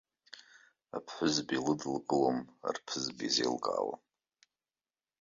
Аԥҳәызба илыдылкылом, арԥызба изеилкаауам.